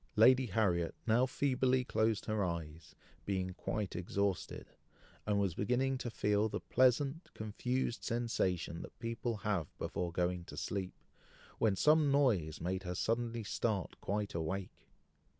Lady Harriet now feebly closed her eyes, being quite exhausted, and was beginning to feel the pleasant, confused sensation that people have before going to sleep, when some noise made her suddenly start quite awake.